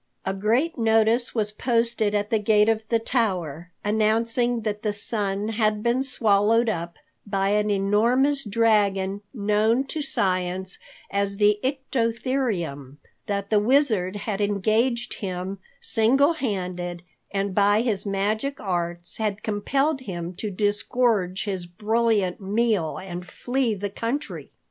A great notice was posted at the gate of the tower, announcing that the sun had been swallowed up by an enormous dragon known to science as the Ictotherium; that the Wizard had engaged him, single handed, and by his magic arts had compelled him to disgorge his brilliant meal and flee the country.